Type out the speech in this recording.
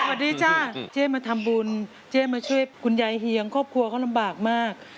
จ้าเจ๊มาทำบุญเจ๊มาช่วยคุณยายเฮียงครอบครัวเขาลำบากมาก